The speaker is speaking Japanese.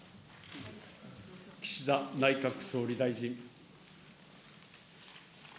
岸田内閣総理大臣。